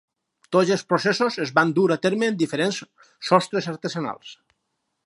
Tots els processos es van dur a terme en diferents sostres artesanals.